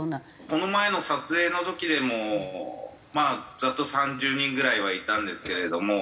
この前の撮影の時でもまあざっと３０人ぐらいはいたんですけれども。